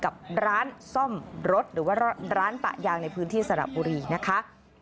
กับร้านซ่อมรถหรือว่าร้านปะยางในพื้นที่สระบุรีนะคะ